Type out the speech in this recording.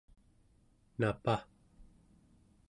napa